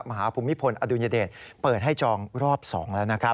ภูมิพลอดุญเดชเปิดให้จองรอบ๒แล้วนะครับ